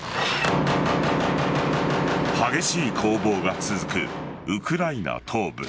激しい攻防が続くウクライナ東部。